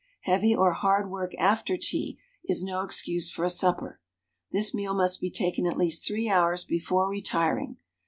Heavy or hard work after tea is no excuse for a supper. This meal must be taken at least three hours before retiring.